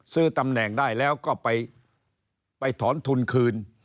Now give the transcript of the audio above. ซื้อตำแหน่งได้แล้วก็ไปถอนทุนคืน